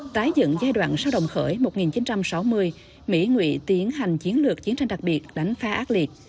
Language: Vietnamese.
tái dựng giai đoạn sau đồng khởi một nghìn chín trăm sáu mươi mỹ nguyện tiến hành chiến lược chiến tranh đặc biệt đánh phá ác liệt